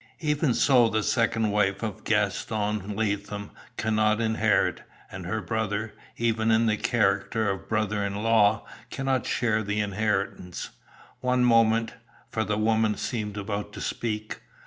"Even so, the second wife of Gaston Latham cannot inherit, and her brother, even in the character of brother in law, cannot share the inheritance. One moment," for the woman seemed about to speak.